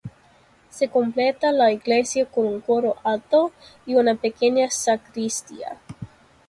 Se completa la iglesia con un coro alto y una pequeña sacristía.